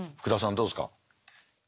どうですか？